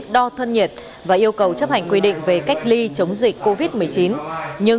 đo thân nhiệt và yêu cầu chấp hành quy định về cách ly chống dịch